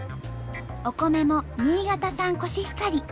お米も新潟産コシヒカリ。